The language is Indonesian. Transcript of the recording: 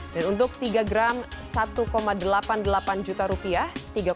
dan untuk tiga gram satu delapan puluh delapan juta rupiah